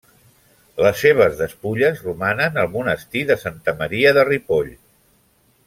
Les seves despulles romanen al monestir de Santa Maria de Ripoll.